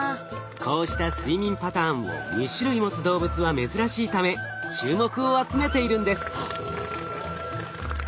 こうした睡眠パターンを２種類持つ動物は珍しいため注目を集めているんです。